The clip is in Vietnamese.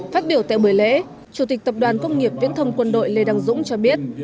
phát biểu tại buổi lễ chủ tịch tập đoàn công nghiệp viễn thông quân đội lê đăng dũng cho biết